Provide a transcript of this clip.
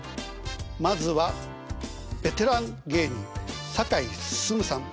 まずはベテラン芸人堺すすむさん。